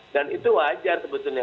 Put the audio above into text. dan itu wajar sebetulnya